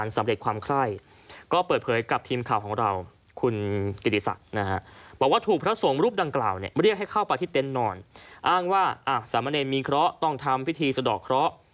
สามเงินมีเคราะห์ต้องทำพิธีสะดอกเคราะห์